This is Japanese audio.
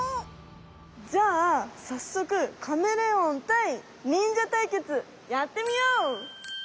じゃあさっそくカメレオンたい忍者たいけつやってみよう！